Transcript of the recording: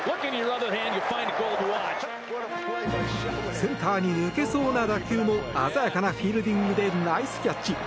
センターに抜けそうな打球も鮮やかなフィールディングでナイスキャッチ。